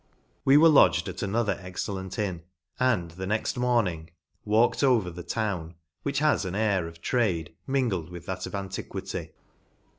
We were lodged at another excellent inn, and, the next morning, walked over the town, which has an air of trade min gled with that of antiquity.